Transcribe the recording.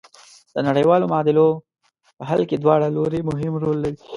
د نړیوالو معادلو په حل کې دواړه لوري مهم رول لري.